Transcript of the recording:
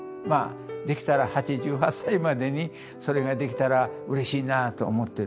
まあできたら８８歳までにそれができたらうれしいなと思ってるんです。